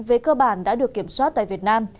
về cơ bản đã được kiểm soát tại việt nam